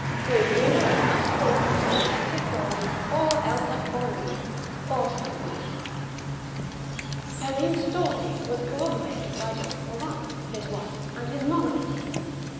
He is either at Machecoul, or else at Tiffauges, or else at Pomic, or somewhere." Perrine*s story was corroborated by Jean Collin, his wife, and his mother in law.